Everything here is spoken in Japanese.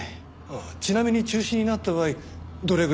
ちなみに中止になった場合どれぐらいの費用が？